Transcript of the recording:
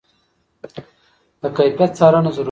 د کیفیت څارنه ضروري ده.